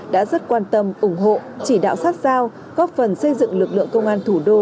đã rất quan tâm ủng hộ chỉ đạo sát sao góp phần xây dựng lực lượng công an thủ đô